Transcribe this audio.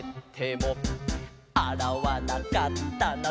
「あらわなかったな